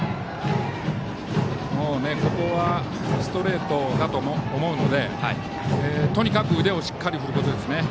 ここはストレートだと思うのでとにかく腕をしっかり振ることですね。